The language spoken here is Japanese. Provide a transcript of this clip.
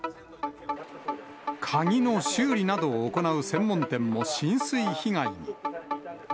鍵の修理などを行う専門店も浸水被害に。